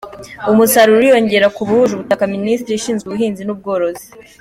Umusaruro uriyongera ku bahuje ubutaka- Minisiteri ishinzwe ubuhinzi n’ubworozi